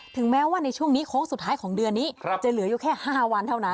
แม้ว่าในช่วงนี้โค้งสุดท้ายของเดือนนี้จะเหลืออยู่แค่๕วันเท่านั้น